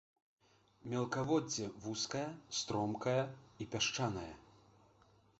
Мелкаводдзе вузкае, стромкае і пясчанае.